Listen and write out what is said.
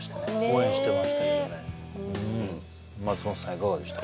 いかがでした？